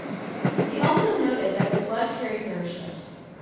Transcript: He also noted that the blood carried nourishment.